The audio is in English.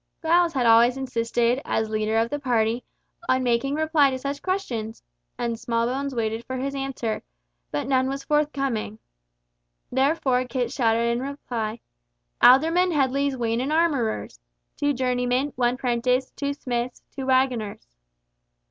Giles had always insisted, as leader of the party, on making reply to such questions, and Smallbones waited for his answer, but none was forthcoming. Therefore Kit shouted in reply, "Alderman Headley's wain and armourers. Two journeymen, one prentice, two smiths, two waggoners."